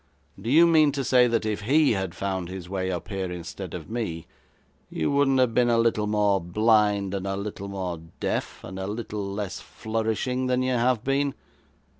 Do you mean to say that if he had found his way up here instead of me, you wouldn't have been a little more blind, and a little more deaf, and a little less flourishing, than you have been?